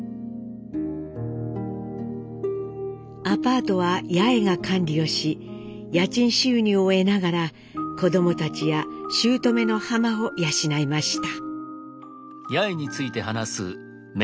アパートは八重が管理をし家賃収入を得ながら子どもたちや姑のハマを養いました。